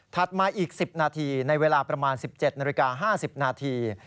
มาอีก๑๐นาทีในเวลาประมาณ๑๗นาฬิกา๕๐นาที